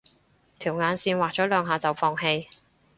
條眼線畫咗兩下就放棄